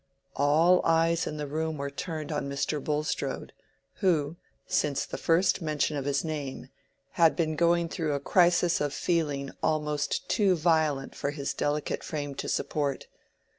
All eyes in the room were turned on Mr. Bulstrode, who, since the first mention of his name, had been going through a crisis of feeling almost too violent for his delicate frame to support.